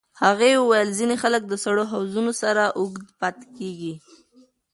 هغې وویل ځینې خلک د سړو حوضونو سره اوږد پاتې کېږي.